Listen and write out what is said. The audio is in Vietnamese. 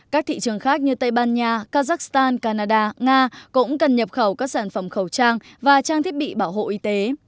các thị trường khác như tây ban nha kazakhstan canada nga cũng cần nhập khẩu các sản phẩm khẩu trang và trang thiết bị bảo hộ y tế